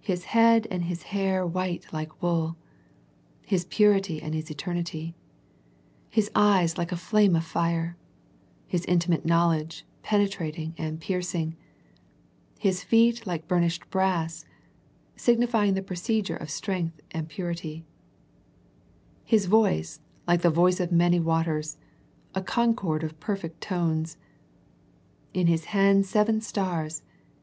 His head and His hair white like wool, His purity and His eternity; His eyes like a flame of fire, His intimate knowledge, penetrating and piercing; His feet like burn ished brass, signifying the procedure of strength and purity; His voice like the voice of many waters, a concord of perfect tones ; in His hand seven stars.